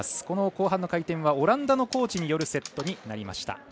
この後半の回転はオランダのコーチによるセットになりました。